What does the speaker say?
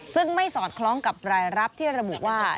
ซึ่งไม่สอดคล้องกับรายรับที่ระบุว่า